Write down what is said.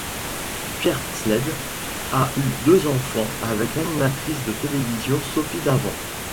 Pierre Sled a eu deux enfants avec l'animatrice de télévision Sophie Davant.